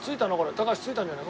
高橋着いたんじゃない？